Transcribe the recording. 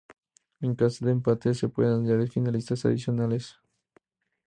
En caso de empate, se pueden añadir finalistas adicionales.